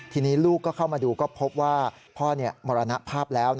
ทีนี้ลูกก็เข้ามาดูก็พบว่าพ่อมรณภาพแล้ว